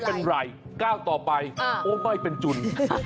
มันเป็นร่ายก้าวต่อไปโอ้ไม่เป็นจุน